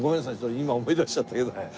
今思い出しちゃったけど。